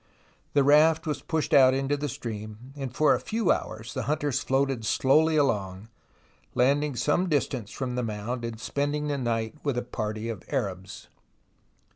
The raft was pushed out into the stream, and for a few hours the hunters floated slowly along, landing some distance from the mound and spending the night with a party of Arabs.